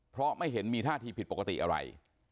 เพราะไม่เห็นมีท่าทีผิดปกติอะไร